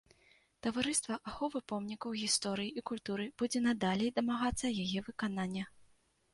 Таварыства аховы помнікаў гісторыі і культуры будзе надалей дамагацца яе выканання.